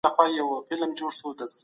ډیپلوماټان چیري د پوهني حق غوښتنه کوي؟